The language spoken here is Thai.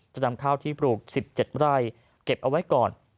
จะนำข้าวที่ปลูก๑๗ไร่เก็บเอาไว้ก่อน